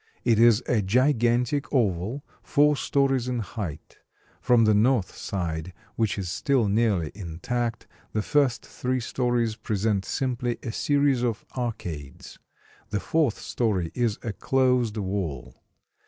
It is a gigantic oval four stories in height. From the north side, which is still nearly intact, the first three stories present simply a series of arcades; the fourth story is a closed wall.